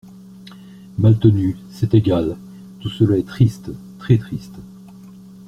Maltenu C’est égal… tout cela est triste… très triste…